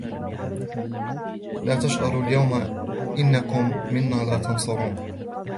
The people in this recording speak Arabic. لا تجأروا اليوم إنكم منا لا تنصرون